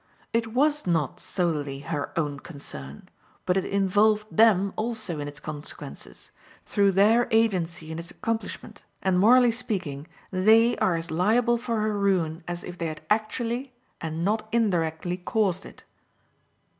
It was not solely "her own concern," but it involved them also in its consequences, through their agency in its accomplishment, and, morally speaking, they are as liable for her ruin as if they had actually, and not indirectly, caused it.